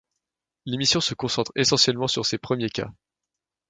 L'émission se concentre essentiellement sur ces premiers cas.